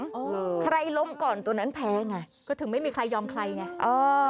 ใครล้มก่อนตัวนั้นแพ้ไงก็ถึงไม่มีใครยอมใครไงเออ